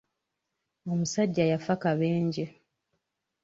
Omusajja yaffa kabenje.